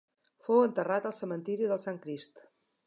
Fou enterrat al Cementiri del Sant Crist.